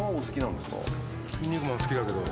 『キン肉マン』好きだけど。